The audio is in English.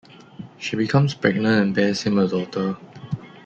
She becomes pregnant and bears him a daughter.